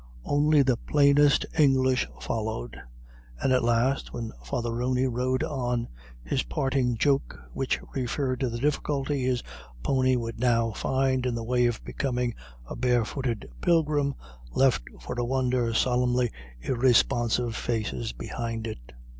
Only the plainest English followed, and at last, when Father Rooney rode on, his parting joke, which referred to the difficulty his pony would now find in the way of becoming a barefooted pilgrim, left for a wonder solemnly irresponsive faces behind it.